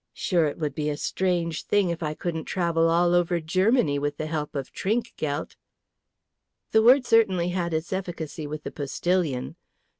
Sure, it would be a strange thing if I couldn't travel all over Germany with the help of 'Trinkgeldt.'" The word certainly had its efficacy with the postillion.